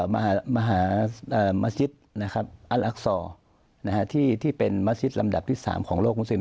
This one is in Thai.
มหามหาเอ่อมัสยิตนะครับอัลอักษรนะฮะที่ที่เป็นมัสยิตลำดับที่สามของโลกมุสิม